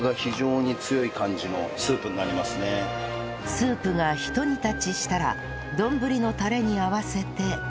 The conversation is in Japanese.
スープがひと煮立ちしたら丼のタレに合わせて